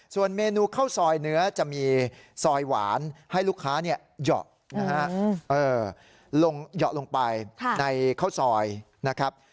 ส่วนเมนูข้าวซอยเนื้อจะมีซอยหวานให้ลูกค้าเหยาะนะฮะลงเหยาะลงไปในข้าวซอยนะครับ